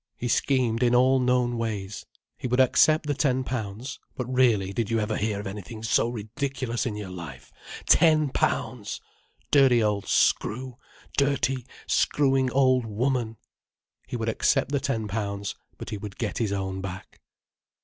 He schemed in all known ways. He would accept the ten pounds—but really, did ever you hear of anything so ridiculous in your life, ten pounds!—dirty old screw, dirty, screwing old woman! He would accept the ten pounds; but he would get his own back.